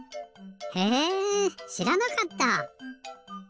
へえしらなかった！